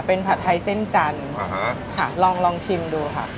เป็นผัดไทยเส้นจันทร์ค่ะลองลองชิมดูค่ะ